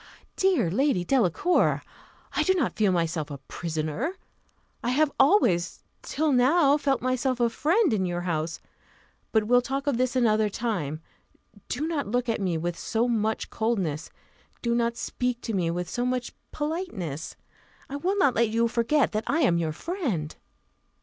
"Dear Lady Delacour! I do not feel myself a prisoner; I have always till now felt myself a friend in your house; but we'll talk of this another time. Do not look at me with so much coldness; do not speak to me with so much politeness. I will not let you forget that I am your friend."